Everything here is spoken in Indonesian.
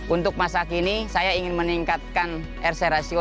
untuk masa kini saya ingin meningkatkan rc rasio